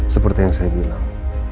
seperti yang saya bilang